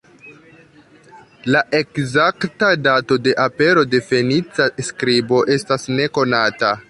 La ekzakta dato de apero de fenica skribo estas nekonata.